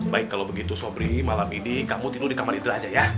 baik kalau begitu sobri malam ini kamu tidur di kamar indra aja ya